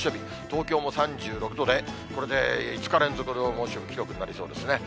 東京も３６度で、これで５日連続の猛暑日記録になりそうですね。